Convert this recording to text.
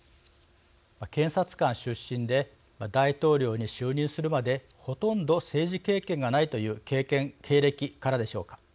検察官出身で大統領に就任するまでほとんど政治経験がないという経歴からでしょうか。